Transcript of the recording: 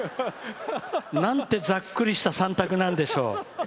なんて、ざっくりした３択なんでしょう。